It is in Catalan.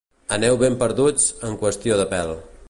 Aneu ben perduts, en qüestió de pèl.